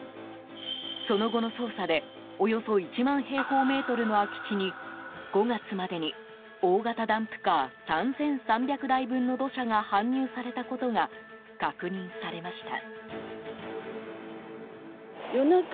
その後の捜査でおよそ１万平方メートルの空き地に５月までに大型ダンプカー３３００台分の土砂が搬入されたことが確認されました。